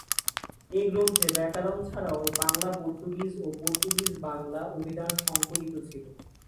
এ গ্রন্থে ব্যাকরণ ছাড়াও বাংলা-পর্তুগিজ ও পর্তুগিজ-বাংলা অভিধান সংকলিত ছিল।